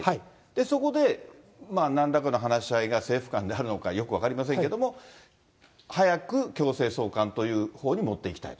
そこでなんらかの話し合いが政府間であるのかよく分かりませんけれども早く強制送還というほうに持っていきたいと。